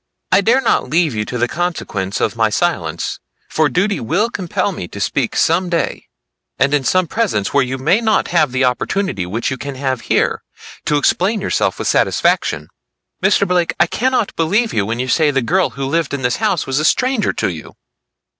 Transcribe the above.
I dare not leave you to the consequence of my silence; for duty will compel me to speak some day and in some presence where you may not have the opportunity which you can have here, to explain yourself with satisfaction. Mr. Blake I cannot believe you when you say the girl who lived in this house was a stranger to you."